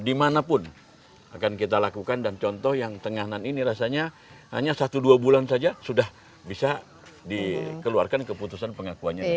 dimanapun akan kita lakukan dan contoh yang tenganan ini rasanya hanya satu dua bulan saja sudah bisa dikeluarkan keputusan pengakuannya